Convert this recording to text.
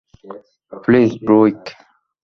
Please, Druig!